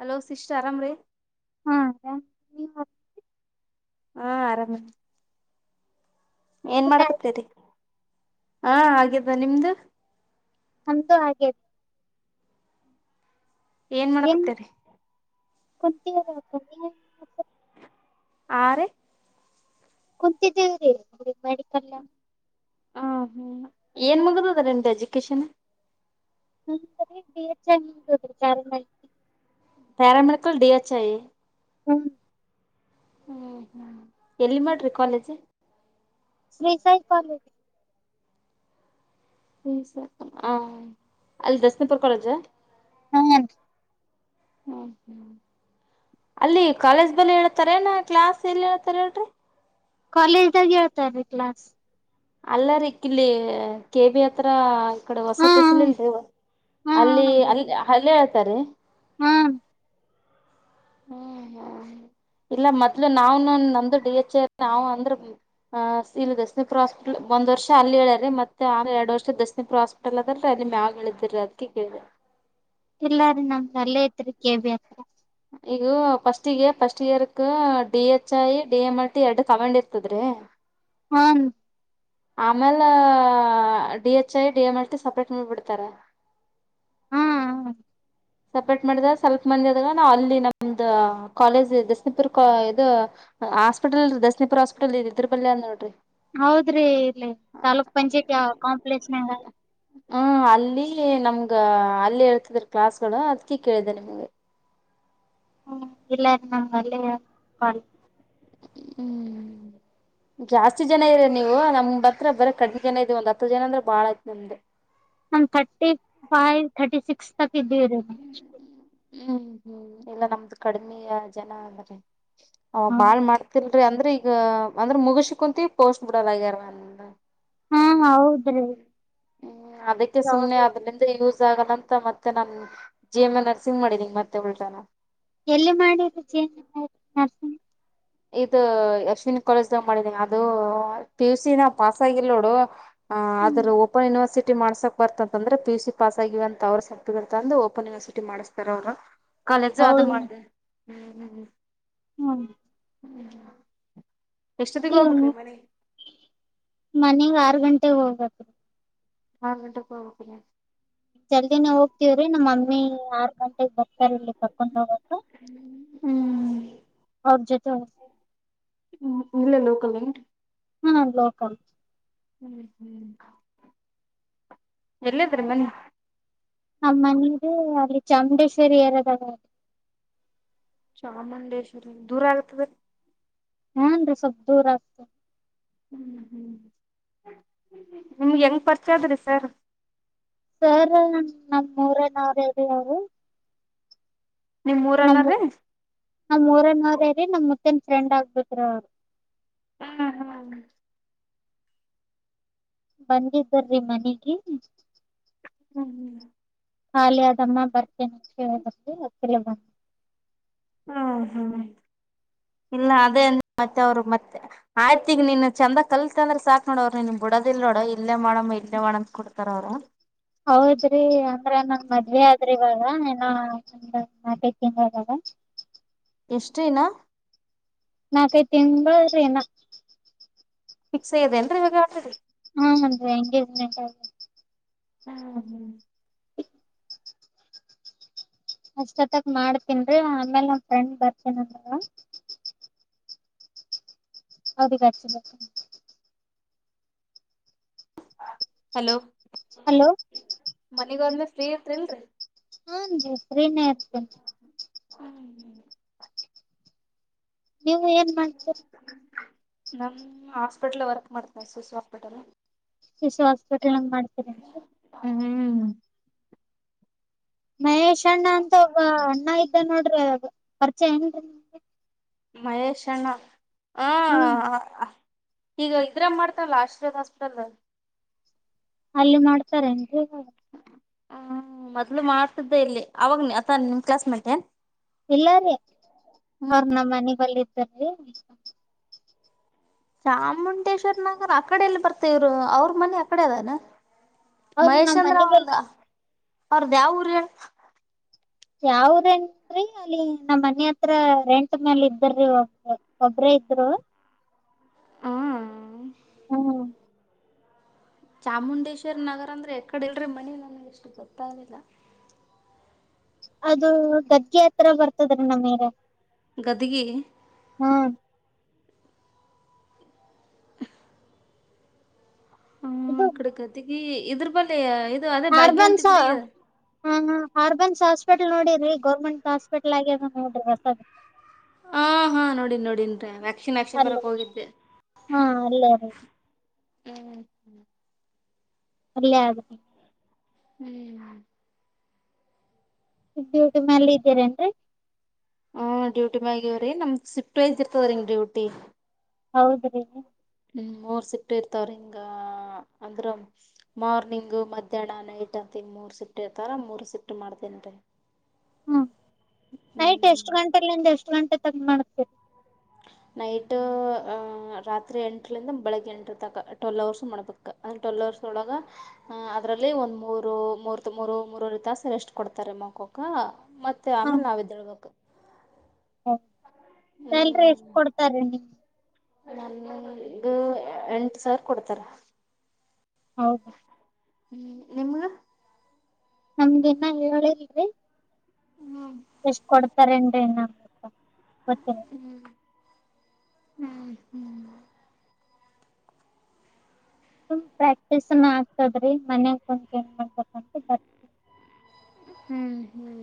Hello sister ಆರಾಮ್ ರೀ ಹಾ ಅಕ್ಕಾ ನೀವು. ಹಾ ಆರಾಮಿದ ಏನ್ ಊಟ ಆಯ್ತ್? ಮಾಡಕತ್ತೇರಿ ಹಾ ಆಗಿದ್ದ ನಿಮ್ದು. ನಮ್ದು ಆಗೆತ ಏನ್ ಮಾಡ್ಕೊತ್ತರೀ [unintelligible] ಆ ರೀ ಕುಂತಿದೇವರಿ [unintelligible] ಹ ಹ್ಮ್ ಏನ್ ಮುಗದುದ ನಿಮ್ದು education. [unintelligible] Paramedical paramedical D H I ಹ್ಮ್ ಹ್ಮ್ ಹ್ಮ್ ಎಲ್ಲಿ ಮಾಡ್ರಿ ಕಾಲೇಜ್ ಶ್ರೀಸಾಯಿ ಕಾಲೇಜ ಹ ಅಲ್ಲಿ ದಸನಿಪುರ್ ಕಾಲೇಜ ಹ್ಮ ಹ್ಞ ಹ ಅಲ್ಲಿ ಕಾಲೇಜ್ ಬಳಿ ಹೇಳ್ತಾರ ಏನ್ ಕ್ಲಾಸ್ ಎಲ್ಲಿ ಹೇಳ್ತಾರ ಹೇಳ್ರಿ. ಕಾಲೇಜ್ ದಾಗ್ ಹೇಳ್ತಾರೀ ಕ್ಲಾಸ್ ಅಲ್ಲ ರೀ ಕಿಲ್ಲಿ ಕೆಬಿ ಹತ್ರ ಈ ಕಡ ಹಾ ಹೊಸ ಹಾ ತಸಲಿಲ್ರರಿ ಹಾ ಅಲ್ಲಿ ಅಲ್ಲಿ ಅಲ್ಲೇ ಹೇಳ್ತಾರಿ ಹ್ಮ ಹ್ಮ್ ಹ್ಮ ಇಲ್ಲ ಮೊದ್ಲು ನಾವ್ನು ನಂದು ಡಿ ಎಚ್ ಎ ನಾವು ಅಂದ್ರ ಆ ಇಲ್ಲಿ ದಸನೀಪುರ ಹಾಸ್ಪಿಟಲ್ ಒಂದ ವರ್ಷ ಅಲ್ಲಿ ಹೇಳ್ಯಾರ್ ರಿ ಮತ್ತೆ ಎರಡು ವರ್ಷ ದಸನೀಪುರ ಹಾಸ್ಪಿಟಲ್. ಅದ ಅಲ್ಲರಿ ಅಲ್ಲಿ ಮ್ಯಾಗ ಹೇಳಿದ್ರರಿ ಅದಕ್ಕೆ ಕೇಳದೆ. ಇಲ್ಲಾರಿ ನಮ್ದ ಅಲ್ಲೇ ಐತಿರಿ ಕೆಬಿ ಹತ್ರ ಈಗು ಫಸ್ಟ್ಗ ಫಸ್ಟ್ ಇಯರ್ಕ್ D H I D M R T ಎರಡು ಕಮಾಂಡ್ ಇರ್ತದ್ರೀ ಹ್ಮನ್ರಿ ಆಮೇಲೆ D H I D M L T separate ಮಾಡಿ ಬಿಡ್ತಾರ ಹ್ಮ ಸಪ್ರೇಟ್ ಮಾಡಿದಾಗ ಸ್ವಲ್ಪ ಮಂದಿ ಆದಾಗ ನಾವು ಅಲ್ಲಿ ನಮ್ದ ಕಾಲೇಜ್ ದಸನಿಪುರ್ ಗ ಇದು ಹಾಸ್ಪಿಟಲ್ ರಿ ದಸನಿಪರ ಹಾಸ್ಪಿಟಲ್ ಇದರ ಬಲ್ಲೆ ಅದ ನೋಡ್ರಿ ಹೌದ್ರಿ ಇಲ್ಲಿ ತಾಲೂಕ್ ಪಂಚಾಯತಿ ಕಾಂಪ್ಲೆಕ್ಸನಾಗ್ ಹ್ಮ್ ಅಲ್ಲಿ ನಮ್ಗ ಅಲ್ಲೇ ಹೇಳ್ತಿದ್ರ ಕ್ಲಾಸ್ ಗಳು ಅದ್ಕಿ ಕೇಳಿದೆ ನಿಮ್ಗೆ ಹ್ಮ್ ಇಲ್ಲ ನಮ್ ಅಲ್ಲೇ [unintelligible] ಹೂ. ಜಾಸ್ತಿ ಜನ ಇದೀರ ನೀವು ನಮ್ ಹತ್ರ ಬರಿ ಕಡಿಮೆ ಜನ ಇದೀ ಒಂದ ಹತ್ತು ಜನ ಅಂದ್ರ ಬಾಳಯ್ತು ನಮ್ದು ಒಂದ್ ತರ್ಟಿ ಫೈವ್ ತರ್ಟಿ ಸಿಕ್ಸ್ ತಕ್ ಇದೀವಿರಿ ಹ್ಮ್ ಹ್ಮ್ ಇಲ್ಲ ನಮ್ದು ಕಡಿಮೆಯ ಜನ ಅದರಿ ಹ್ ಹ ಬಾಳ್ ಮಾಡ್ತಿಲ್ರಿ ಅಂದ್ರೆ ಈಗ ಅಂದ್ರೆ ಮುಗಸ ಕುಂತೀ ಪೋಸ್ಟ್ ಬಿಡಲ್ ಆಗ್ಯಾರ ಹಾ ಹೌದು ಹ್ಮ ಹ್ಮ್ ಅದಕ್ಕೆ ಸುಮ್ನೆ ಹೌದು. ಅದರಿಂದ ಯೂಸ್ ಆಗಲ್ಲ ಅಂತ ಮತ್ತೆ ನಾನ್ ಜಿ ಎಮ್ ಎ ನರ್ಸಿಂಗ್ ಮಾಡಿದೀ ಮತ್ತೆ ಉಲ್ಟಾನ ಎಲ್ಲಿ ಮಾಡಿದು ನೀವು ನರ್ಸಿಂಗ್. ಇದು ಯಶ್ವಿನಿ ಕಾಲೇಜ್ದಾಗ್ ಮಾಡಿದೀನಿ ಅದು ಪಿ ಯು ಸಿನ ಪಾಸ್ ಆಗಿಲ್ ನೋಡು. ಹ ಆದ್ರ ಓಪನ್ ಯನಿವರ್ಸಟಿ ಮಾಡ್ಸಕ್. ಬರ್ತಂತಂದ್ರ ಪಿ ಯು ಸಿ ಪಾಸ್ ಆಗಿವ ಅಂತ ಅವ್ರ ಸರ್ಟಿಫಿಕೇಟ್ ಅಂದು ಓಪನ್ ಯೂನಿವರ್ಸಟಿ ಮಾಡಿಸ್ತಾರ ಅವರು ಕಾಲೇಜು ಅದು ಹೌದ ಮಾಡ್ದ. ಹ್ಮ್ ಹ್ಮ್ ಎಷ್ಟೊತ್ತಿಗೆ ಹೋಗ್ಬೇಕ್ರೀ ಮನೆಗೆ. ಮನೆಗೆ ಆರು ಗಂಟೆಗೆ ಹೋಗಬೇಕು. ಆರು ಗಂಟೆಗೆ ಹೋಗಬೇಕಾ. ಜಲ್ದಿನ ಹೋಗ್ತವ್ರಿ ನಮ್ಮ ಮಮ್ಮಿ ಆರ್ ಗಂಟೆಗೆ ಬರ್ತಾರ ಇಲ್ಲಿ ಕರ್ಕೊಂಡ್ ಹೋಗಕ್ ಹ್ಮ್ ಅವರಜೊತೆ. ಹ್ಮ್ ಇಲ್ಲೆ ಲೋಕಲ್ಲೇನ ಹಾ ಲೋಕಲ್ ಹ್ಮ್ ಹ್ಮ್ ಎಲ್ಲಿದ್ರ ಮನಿ. ಆ ಮನದು ಅಲ್ಲಿ ಚಾಮುಂಡೇಶ್ವರಿ ಏರಿಯಾದಲ್ಲಿ. ಚಾಮುಂಡೇಶ್ವರಿ ದೂರ ಆಗ್ತದ. ಹುನ್ರಿ ಸ್ವಲ್ಪ ದೂರ ಆಗ್ತದ. ಹ್ಮ್ ಹ್ಮ್ ನಿಮ್ಗೆ ಹೆಂಗ್ ಪರಿಚಯ ಸರ್ ಸರ್ ನಮ್ಮ ಊರ ನಾವ್ರ ಅವ್ರು. ನಿಮ್ ಊರನವರೇ. ನಮ್ ಊರಿನವರೇ ರೀ ನಮ್ಮ ಮುತ್ತಿನ ಫ್ರೆಂಡ್ ಹಾಗಿಬೇಕ್ರಿ ಅವ್ರು. ಹ್ಮ್ ಹ್ಮ್ ಬಂದಿದ್ದರೀ ಮನೆಗೆ. ಹ್ಮ್ ಹ್ಮ್ ಖಾಲಿ ಆದಮ್ಮ [unintelligible] ಹ್ಮ ಹ್ಮ್ ಇಲ್ಲ ಅದೇ ಮತ್ತೆ ಅವ್ರು ಮತ್ತೆ. ಆಯ್ತಿಗ ನೀನ್ ಚಂದಾಗ ಕಲ್ತತ್ಂದ್ರ ಸಾಕ್ ನೋಡ ಅವ್ರು ನಿನ್ಗ್ ಬಿಡದಿಲ್ ನೋಡ ಇಲ್ಲೇ ಮಾಡಮ್ಮ. ಕೊಡ್ತಾರ ಅವ್ರು. ಹೌದ್ರಿ ಅಂದ್ರ ನನ್ ಮದ್ವೆ ಆದ್ರಿ ಇವಾಗ ಏನ. [unintelligible] ಎಷ್ಟೇನಾ. ನಾಲ್ಕು ಐದು ತಿಂಗಳು. ಫಕ್ಸ್ ಅ್ಯದೇನ್ರಿ ಇವ್ರರಿ. ಹಾ ಅಂದ್ರೆ ಎಂಗೇಜ್ಮೆಂಟ್ ಆಗೆ. ಹ್ಮ ಹ್ಮ ಅಷ್ಟೊತ್ತಗ್ ಮಾಡ್ತನ್ರೀ ಆಮೇಲ್ ನಮ ಫ್ರೆಂಡ್ ಬರ್ತನ ಅಂದಾಗ ಹೌದ. ಹಲೋ ಹಲೋ ಮನೆಗೆ ಹೋದ್ಮೇಲೆ ಫ್ರೀ ಇರ್ತ್ರಿಲ್ರರಿ. ಹುನ್ರಿ ಫ್ರೀ ನೇ ಇರ್ತೀನಿ. [inaudible] ನೀವು ಏನ್ ಮಾಡ್ತೀರಿ. ನಾವು ಹಾಸ್ಪಿಟಲ್ ವರ್ಕ್ ಮಾಡ್ತನಿರೀ ಶಿಶು ಹಾಸ್ಪಿಟಲ್. ಶಿಶು ಹಾಸ್ಪಿಟಲ್ಂಗ್ ಮಾಡ್ತೀರಿ. ಹ್ಮ್ಮ್ ಮಹೇಶ್ ಅಣ್ಣ ಅಂತ ಒ ಅಣ್ಣ ಇದ್ದ ನೋಡ್ರಿ ಪರಿಚಯ ಏನ್ೀ ಮಹೇಶ್ ಅಣ್ಣ ಹ ಹ್ಮ್ ಈಗ ಇದ್ರ ಮಾಡ್ತಾರಲ್ಲ ಆಶೀರ್ವಾದ ಹಾಸ್ಪಿಟಲ್ ಅಲ್ಲಿ ಮಾಡ್ತಾರೆ ಎಂತ ಹ ಹ ಮೊದ್ಲು ಮಾಡ್ತಿದ್ದೆ ಇಲ್ಲಿ ಅವಾಗನ ಅತ ನಿಮ್ ಕ್ಲಾಸ್ ಮೇಟ್ ಏ ಇಲ್ಲಾರಿೀ ಅವ್ರ ನಮ್ಮ ಮನೆ ಬಲಿ ಇದತರೀ ಚಾಮುಂಡೇಶ್ವರ್ ನಗರ ಅಕಡೆ ಎಲ್ಲಿ ಬರ್ತೇವರು ಅವ್ರ ಮನಿ ಅಕಡೆ ಅದಾನ ಅವ್ರ ಮಹೇಶ್ ನಮ್ ಮನಿ ಅಂದ್ರಾವ ಒಂದ ಬಲ್ಲಿ ಅವ್ರದ್ದ ಯಾವ ಊರು ಹೇಳ ಯಾವುರ ೀ ಅಲ್ಲಿ ನಮ್ಮ್ ಮನೆ ಹತ್ರ ರೆಂಟ್ ಮೇಲ್ ಇದ್ದ್ರಿ ಒ ಒಬ್ರೇ ಇದ್ರು ಹ ಹ್ಮ ಚಾಮುಂಡೇಶ್ವರಿ ನಗರ ಅಂದ್ರೆ ಎಕಡೆ ಇಲ್ರ ಮನ ನನಗೆ ಎಷ್ಟು ಗೊತ್ತಾಗಲಿಲ್ಲ ಅದು ಗದಗೆ ಹತ್ರತ್ರ ಬರ್ತದ್ರೀ ನಮಗೆ ಗದಗೆ ಹ್ಮ್ ಹ್ಮ ಇದು ಇ ಕಡೆ ಗತಿಗಿ ಇದ್ರ ಬಳಿ ಇದು ಅದೇ ಭಾಗ್ಯವಂತಿ ಹಾರ್ಬನ್ಸ ಗುಡಿ ಹಾ ಹಾರ್ಬನ್ ಹಾಸ್ಪಿಟಲ್ ನೋಡಿ್ರರಿ ಗೌರ್ಮೆಂಟ್ ಹಾಸ್ಪಿಟ್ಲ್ ಆಗ್ಯ ನೋಡ್ರಿ ಹೊಸದ ಹಾ ಹಾ ನೋಡನ್ ನೋಡಿಂರಿ ವ್ಯಾಕ್ಸಿನ್ ಹಾಕ್ಸ್ಕೊಂಡು ಅಲ್ಲಿ ಬರೋಕ್ಕೆ ಹೋಗಿದ್ದೆ ಹಾ ಅಲ್ಲೇ ರಿ ಹ್ಮ್ ಹ್ಮ ಅಲ್ಲೇ ಆೆ ಹ್ಮ್ ್ಯಟ ಮಲ್ಲಿ ಇದ್ದೀರೇನ್್ರರಿ ಹ ಡ್ಯೂಟಿ ಮಗವ್ರೀ ನಮ್ದ್ ಶಿಫ್ಟ ವಸ್ ಇರ್ದರಿಿ ಡ್ಯೂಟಿ ಹೌದ್ರೀ ಹ್ಮ ಮೂರ್ ಶಿಫ್ಟ್ ಇರ್ತವ್ರ ಹಿಂಗ ಅಂದ್ರ ಮಾರ್ನಿಂಗ್ ಮಧ್ಯಾಹ್ನ ನೈಟ್ ಅಂತ ಮೂರ್ ಶಿಫ್ಟ್ ಇರ್ತಾರ ಮೂರ್ ಶಿಫ್ಟ್ ಮಾಡ್ತೇನರಿ ಹ್ಮ್ ನೈಟ್ ಹ್ಮ್ ಎಷ್ಟು ಗಂಟೆಲಿಂದ ಎಷ್ಟು ಗಂಟೆ ತಗ ಮಾಡತೀರಿ ನೈಟ ರಾತ್ರಿ ಎಂಟರಿಂದ ಬೆಳಗ್ಗೆ ಎಂಟರ ತಕ ಟ್ವೆಲ್ ಅವರ್ಸ್ು ಮಾಡ್ಬೇಕು ಟ್ವೆಲ್ ಹೌರ್ಸ ಹೊಳಗ ಅ ಅದರಲ್ಲಿ ಒಂದ್ ಮೂರು ಮೂರ್ ಮೂರು ಮೂರೂರು ತಾಸು ಎಷ್ಟು ಕೊಡ್ತಾರೆ ಮಕ [unintelligible] ಮತ್ತೆ ಆಮೇಲೆ ನಾವ ಎದ್ದೇಳ್ಬೇಕು. ಹ ಸ್ಯಾಲ್ರಿ ಎಷ್ಟ ಕೊಡ್ತಾರ ನೀ. ನನ್ಗೆ ಎಂಟು ಸಾವಿರ ಕೊಡ್ತಾರ. ಹೌದಾ. ಹ್ಮ್ ನಿಮ್ಗ. ನಮ್ಗೆ ನ ಹೇಳಲೀರಿ ಎಷ್ಟ್ ಕೊಡ್ತಾರೇನ್ರಿ ಗೊತ್ತಿಲ್ಲ. ಸುಮನ್ ಪ್ರಾಕ್ಟೀಸ್ನ ಆಗ್ತದ್ರೀ ಮನ್ಯಾಗಂ ಬಂದು ಏನ್ ಮಾಡ್ಬೇಕ ಅಂತ ಹ್ಮ್ ಹ್ಮ್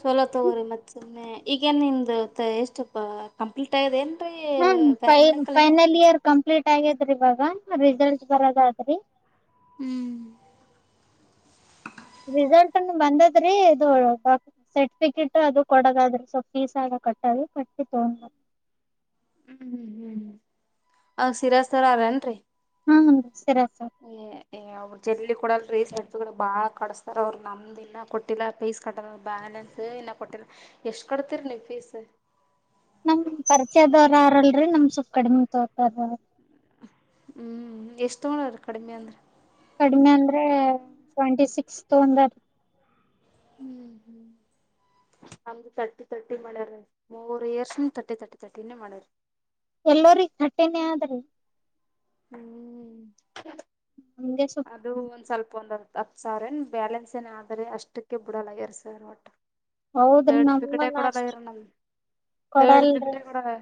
ಚೊಲೋ ತಗೋ್ರಿ ಮತ್ತ್ ಸುಮ್ಮನೆ ಈಗೇನ್ ನಿಮ್ದ ಎಷ್ಟಪ್ಪ ಕಂಪ್ಲೀಟ್ ಆಯದ ಏನ್ ರೀ ಹ್ಮ್ ಫೈ ಪ್ಯಾರಾಮೆಡಿಕಲನೇ. ಫೈನಲ್ ಇಯರ್ ಕಂಪ್ಲೀಟ್ ಆಗ್ಯಿದ್ರಿ ಇವಾಗ ರಿಸಲ್ಟ್ ಬರೋದ ಆದರಿ [inaudible] ಹೂ [inaudible] ರಿಸಲ್ಟ ಅನು ಬಂದದ್ರೀ ಇದು [inaudible] ಸರ್ಟಿಫಿಕೇಟ್ ಅದು ಕೊಡದಾದ್ರೆ ಸ್ವಲ್ಪ ಫೀಸ್ ಆದ ಕಟ್ಟದು ಕಟ್ಟಿ ತಗೊಂಡ್ ಬಂದ [inaudible] ಹೂ ಹೂ ಅ ಸಿರಸ್ತರ ಅದ ಏನರಿ. [inaudible] ಹಾ ಹ ನಮಸ್ಕಾರ ಅಮ್ಮ. [inaudible] ಏ ಏ ಅವಕ ಎಲ್ಲಿ ಕೂಡಲ್ ರೀ ಸೆಟೀದರ ಬಾಳ ಕಡಸ್ತಾರ ಅವರ ನಮ್ಮ [inaudible] ಇನ್ನ ಕೊಟ್ಟಿಲ್ಲ ಪೀಸ್ ಕಟ್ಟದ ಬ್ಯಾಲೆನ್ಸ್ ಇನ್ನ ಕೊಟ್ಟಿಲ್ಲ ಎಷ್ಟ್ ಕಟ್ತೀರಿ ನೀವ್ ಪೀಸ್? [inaudible] ನಮ್ಮ ಪರಿಚಯದವರಲ್ರಿ ನಮ್ಮ ಸುಪ್ ಕಡಿಮೆ ತೋತರಾ ಬಾಳ [inaudible] ಹೂ ಎಷ್ಟ ತಗೊಂಡರ ಕಡಿಮೆ ಅಂದ್ರ [inaudible] ಕಡಿಮೆ ಅಂದ್ರೆ ಟ್ವೆಂಟಿ ಸಿಕ್ಸ್ ತೊಗೊಂದಾರ. [inaudible] ಹೂ [inaudible] ನಮ್ದು ತರ್ಟಿ ತರ್ಟಿ ಮಾಡ್ಯಾರ ಮೂರು ಇಯರ್ಸ್ ತರ್ಟಿ ತರ್ಟಿ ತರ್ಟಿನೇ ಮಾಡ್ಯಾರ. [inaudible] ಎಲ್ಲರಿಗ ತರ್ಟಿನ ಅದ ರೀ [inaudible] ಹೂ [inaudible] ಹೆಂಗಸು [inaudible] ಅದು ಒಂದ್ ಸ್ವಲ್ಪ ಒಂದ ಹತ್ತ ಹತ್ತು ಸಾವಿರ ಏನ್ ಬ್ಯಾಲೆನ್ಸ್ ಏನ ಆದ್ರರೆ ಅಷ್ಟಕ್ಕೆ ಬಿಡಲ್ಲ ಎರ್ ಸ್ಯಾರ ಒಟ್ಟ. [inaudible] ಹೌದ್ರಿ ಸರ್ಟಿಫಿಕಟೆ ನಮ್ಮನ್ ಕೂಡಲ್ಲ ಅಷ್ಟ ಆಗಿರಲ್ಲ ನಮ್ಮದ. [inaudible] ಕೊಡಲ್ರಿ ಸರ್ಟಿಫಿಕೆಟ್ ಕೂಡಲ್ಲ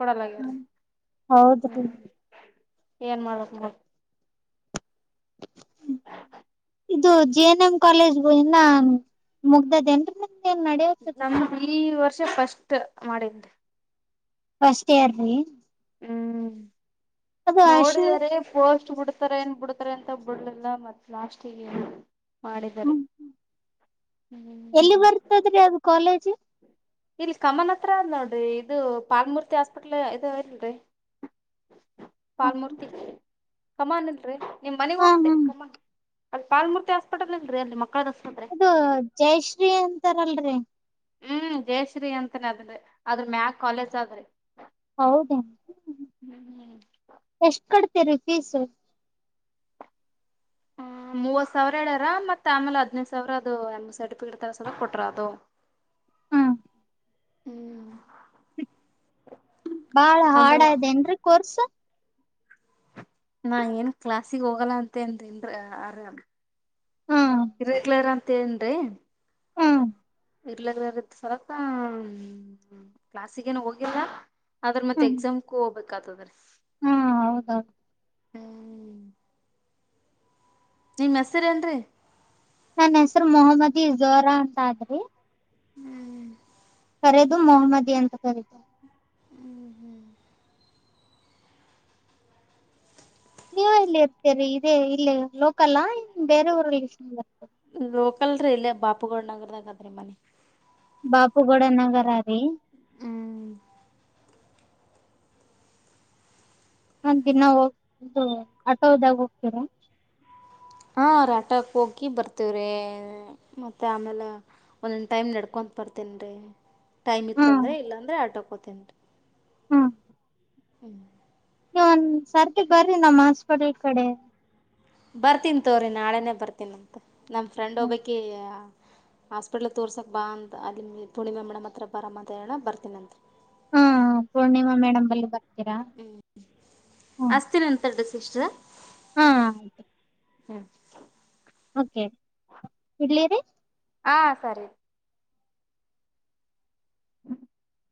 ಕೊಡಲಾಗ್ಯಾರ ಹೂ ಹೌದ್ರಿ [inaudible] ಏನ್ ಮಾಡಬೇಕ ನೋಡ. [inaudible] ಇದು ಜೆ ಎನ್ ಎಂ ಕಾಲೇಜ್ ಗಳ ಇನ್ನ ಮುಗದದ ಏನ್ರೀ ಮತ್ತ? [inaudible] ನಮ್ಮದ ಈ ವರ್ಷ ಫಸ್ಟ್ ಮಾಡಿತ್ತಿ. [inaudible] ಫಸ್ಟ್ ಇಯರ್ ರೀ. [inaudible] ಹ್ಮ್ ಅದು ಅಶ ನೋಡಿದರೆ ಪೋಸ್ಟ್ ಬಿಡ್ [inaudible] ಬಿಡ್ತಾರೆ ಏನ್ ಬಿಡ್ತಾರೆ ಅಂತ ಬಿಡಲಿಲ್ಲ ಮತ್ತ ಲಾಸ್ಟ್ ಗೇ ಏನ್ ಮಾಡಿದರೆ. [inaudible] ಎಲ್ಲಿ ಬರ್ತದ್ರಿ ಅದು ಕಾಲೇಜ್? [inaudible] ಇಲ್ಲಿ ಕಮನ್ ಹತ್ತರ ನೋಡ್ ಇದು ಪಾಲ್ಮೂರ್ತಿ ಹಾಸ್ಪಿಟಲ್ ಇದೆ ಇಲ್ಲರಿ. [inaudible] ಹಾ ಪಾಲ್ಮೂರ್ತಿ ಕಮಾನ ಅಲ್ಲರಿ ನಿಮ್ಮ ಮನೆಗ್ ಹಾ ಹೋಗುತ್ತೆ ಕಮಾನ್ [inaudible] ಅಲ್ಲಿ ಪಾಲ್ಮೂರ್ತಿ ಹಾಸ್ಪಿಟಲ್ ಇಲ್ಲರಿ ಅಲ್ಲಿ ಮಕ್ಕಳದ ಆಸ್ಪತ್ರೆ. [inaudible] ಇದು ಜಯಶ್ರೀ ಅಂತಾರ ಅಲ್ಲರಿ. [inaudible] ಹೂ ಜಯಶ್ರೀ ಅಂತನ ಅದ ರಿ ಅದರ ಮೇಲೆ ಕಾಲೇಜ್ ಅದ ರಿ. [inaudible] ಹೌದಾ ಎಷ್ಟ್ ಕಡ್ತಿರಿ ಫೀಸ್? [inaudible] ಮೂವತ್ತ ಸಾವಿರ ಹೇಳ್ಯಾರ ಮತ್ತ ಆಮೇಲೆ ಹದಿನೈದು ಸಾವಿರ ಅದು ನಮ್ಮ ಸರ್ಟಿಫಿಕೆಟ್ ತಗ್ಸೋದಕ್ಕ ಕೊಟ್ಟಾರ್ ಅದು [inaudible] [inaudible] ಹಾ ಹೂ [inaudible] ಬಾಳ ಹಾರ್ಡ್ ಅದ ಏನ್ ರಿ ಕೋರ್ಸ್? [inaudible] ನಾ ಏನ್ ಕ್ಲಾಸಿಗೆ ಹೋಗಲ್ಲ ಅಂತೇನರಿ ರ ಆರಮೀ ಹೋಕ್ನ. [inaudible] ಹಾ ಇರ್ ರೆಗುಲರ್ ಅಂತೇನ ರಿ. [inaudible] ಹೂ [inaudible] ಇರ್ ರೆಗುಲರ್ ಇತ್ತ ಸಲತ್ತ ಕ್ಲಾಸಗೇನು ಹೋಗಿಲ್ಲ. [inaudible] ಆದರ ಮತ್ತ ಹ್ಮ್ ಎಕ್ಸಾಮ್ ಕೂ ಹೋಗ್ಬೇಕ ಆತದ್ರೀ. [inaudible] ಹಾ ಹೌದ ಹೌದು [inaudible] ಹ್ಮ್ ನಿಮ್ಮ ಹೆಸರ ಏನ್ರರಿ? ನನ್ನ ಹೆಸರ ಮೊಹಮ್ಮದಿಝೋರಾ ಅಂತ ಆದ್ರಿ [inaudible] ಹೂ [inaudible] ಕರೆದು ಮೊಹಮ್ಮದಿ ಅಂತ ಕರಿತಾರ ನೀವ್ ಎಲ್ಲಿ ಇರ್ತೀರಿ ಇದೇ ಇಲ್ಲೆ ಲೋಕಲಾ ಬೇರೆ ಊರಲ್ಲಿರ್ತೀರಾ ಅಂದೆ. ಲೋಕಲ್ರಿ ಇಲ್ಲೆ ಬಾಪುಗೌಡ ನಗರದಾಗದ್ರೀ ಮನಿ ಬಾಪುಗೌಡ ನಗರ ರೀ. ಹ್ಮ್ ನ ದೀನ್ನಾ ಹೋಗ [unintelligible] ರೋದು ಆಟೋದಾಗ ಹೋಗ್ತೀರಾ. ಹಾ ರಿ ಆಟೋಕ್ ಹೋಗಿ ಬರ್ತೀವ್ರೀ ಮತ್ತ ಆಮ್ಯಾಲ ಒನೊನ್ ಟೈಮ್ ನಡ್ಕೊಂತ ಬರ್ತೀನ್ರಿ. ಟೈಮ್ ಹಾ ಇತ್ತಂದ್ರ ಇಲ್ಲಂದ್ರ ಆಟೋಕ್ ಹೋಗ್ತೀನ್ರೀ. ಹ್ಮ್. ನೀವ್ ಒಂದ್ ಸರ್ತಿ ಬರ್ರಿ ನಮ್ಮ್ ಹಾಸ್ಪಿಟಲ್ ಕಡೆ. ಬರ್ತೀನ ತೋರಿ ನಾಳೆನೇ ಬರ್ತೀನಂತ ನಮ್ಮ ಫ್ರೆಂಡ್ ಒಬ್ಬಕಿ ಹಾಸ್ಪಿಟ್ಲ್ಕ್ ತೋರ್ಸಕ ಬಾ ಅಂತ ಅಲ್ಲಿ ಮ ಪೂರ್ಣಿಮಾ ಮೇಡಂ ಹತ್ರ ಬಾರಮ್ಮ ಅಂತ ಹೇಳಣ ಬರ್ತೀನಂತ್ರಿ. ಹಾ ಪೂರ್ಣಿಮಾ ಮೇಡಮ್ ಬಲ್ಲಿ ಬ ಹ್ಮ್ ಹಸ್ತಿನಂತ್ ತಡ್ರಿ ಸಿಸ್ಟರ. ಹ. ಹ್ಮ್ [unintelligible] ಓಕೆ. ಲೇರಿ ಹಾ ಸರಿ- [inaudible]